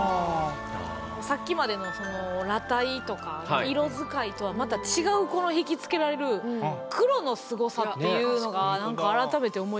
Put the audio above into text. さっきまでのその裸体とか色使いとはまた違うこのひきつけられる黒のすごさっていうのがなんか改めて思いましたよね。